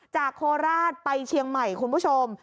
โคราชไปเชียงใหม่คุณผู้ชม